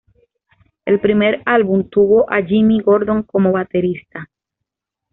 El primer álbum tuvo a Jimmy Gordon como baterista.